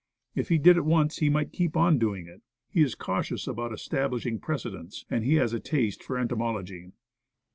If he did it once he might keep on doing it. He is cautious about establishing pre cedents, and he has a taste for entomology.